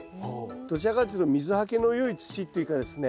どちらかというと水はけの良い土というかですね